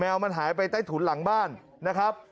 มันหายไปใต้ถุนหลังบ้านนะครับ